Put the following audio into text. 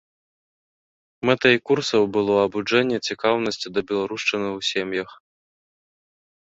Мэтай курсаў было абуджэнне цікаўнасці да беларушчыны ў сем'ях.